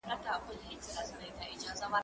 هغه وويل چي سپينکۍ مينځل ضروري دي!؟